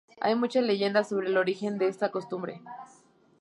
Hay muchas leyendas sobre el origen de esta costumbre.